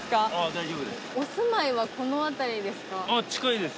大丈夫です。